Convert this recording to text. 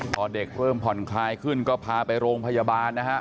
พอเด็กเริ่มผ่อนคลายขึ้นก็พาไปโรงพยาบาลนะฮะ